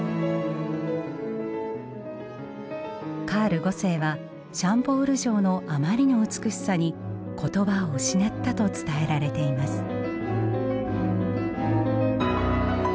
カール五世はシャンボール城のあまりの美しさに言葉を失ったと伝えられています。